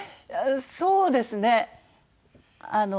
そうですね。